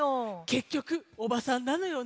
けっきょくおばさんなのよね。